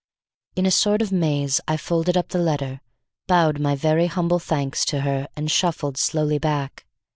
In a sort of maze I folded up the letter, bowed my very humble thanks to her and shuffled slowly back.